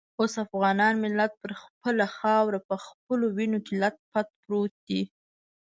اوس افغان ملت پر خپله خاوره په خپلو وینو کې لت پت پروت دی.